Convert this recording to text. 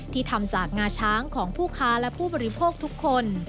ทำจากงาช้างของผู้ค้าและผู้บริโภคทุกคน